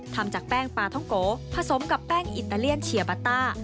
ทำจากแป้งปลาท้องโกผสมกับแป้งอิตาเลียนเชียร์บาต้า